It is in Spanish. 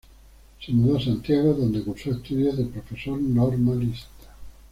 Se mudó a Santiago, donde cursó estudios de profesor normalista.